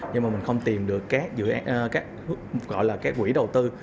nhưng mà mình không tìm được các dự án gọi là các quỹ đầu tư